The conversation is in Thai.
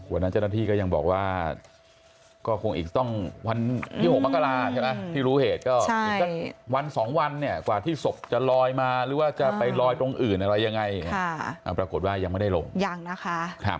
วันนั้นเจ้าหน้าที่ก็ยังบอกว่าก็คงอีกต้องวันที่๖มกราใช่ไหมที่รู้เหตุก็อีกสักวันสองวันเนี่ยกว่าที่ศพจะลอยมาหรือว่าจะไปลอยตรงอื่นอะไรยังไงปรากฏว่ายังไม่ได้ลงยังนะคะ